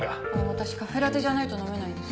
私カフェラテじゃないと飲めないんです。